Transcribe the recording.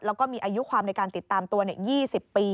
แล้วก็มีอายุความในการติดตามตัว๒๐ปี